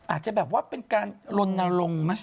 อาจจะแบบว่าเป็นการลนลงไหม